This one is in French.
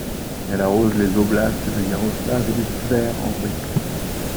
Elle arrose les oblasts de Iaroslavl et de Tver, en Russie.